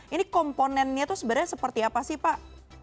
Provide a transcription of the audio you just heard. ini komponennya itu sebenarnya seperti apa sih pak